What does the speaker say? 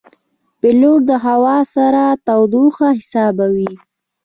پیلوټ د هوا سړه تودوخه حسابوي.